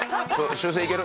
修正いける。